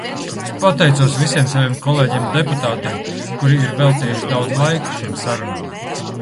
Es pateicos visiem saviem kolēģiem deputātiem, kuri ir veltījuši daudz laika šīm sarunām.